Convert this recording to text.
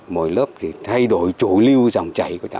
bồi lớp thay đổi chủ lưu dòng chảy của chạm